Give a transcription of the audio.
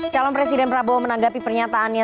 calon presiden prabowo menanggapi pernyataannya